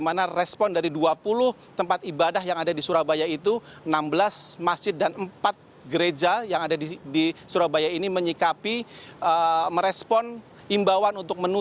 mereka juga mengaku sudah berkomunikasi